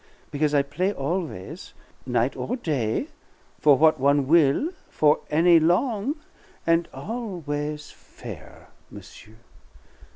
Because I will play always, night or day, for what one will, for any long, and always fair, monsieur."